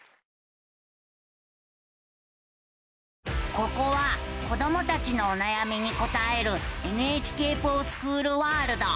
ここは子どもたちのおなやみに答える「ＮＨＫｆｏｒＳｃｈｏｏｌワールド」。